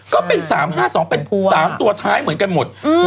ก็เป็น๓๕๒เป็น๓ตัวท้ายเหมือนกันหมด